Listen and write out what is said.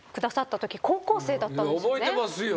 覚えてますよ。